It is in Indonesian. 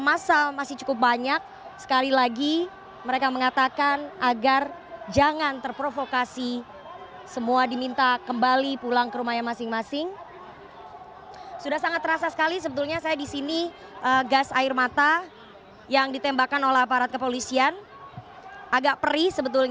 yang anda dengar saat ini sepertinya adalah ajakan untuk berjuang bersama kita untuk keadilan dan kebenaran saudara saudara